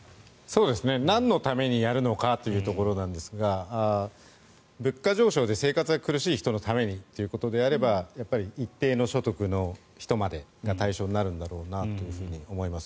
なんのためにやるのかというところですが物価上昇で生活が苦しい人のためにということであれば一定の所得の人までが対象になるんだろうと思います。